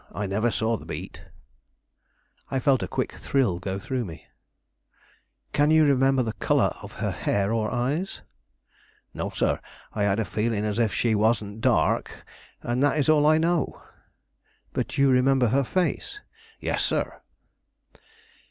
I never saw the beat." I felt a quick thrill go through me. "Can you remember the color of her hair or eyes?" "No, sir; I had a feeling as if she wasn't dark, and that is all I know." "But you remember her face?" "Yes, sir!"